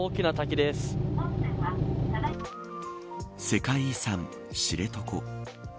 世界遺産知床